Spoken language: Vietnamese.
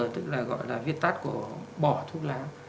tức là gọi là viết tắt của bỏ thuốc lá